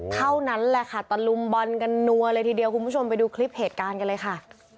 เท่านั้นแหละค่ะตะลุมบอลกันนัวเลยทีเดียวคุณผู้ชมไปดูคลิปเหตุการณ์กันเลยค่ะ